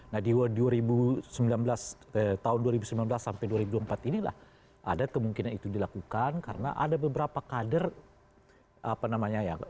nah di tahun dua ribu sembilan belas sampai dua ribu dua puluh empat inilah ada kemungkinan itu dilakukan karena ada beberapa kader apa namanya ya